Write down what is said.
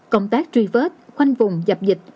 công tác truy vết khoanh vùng dập dịch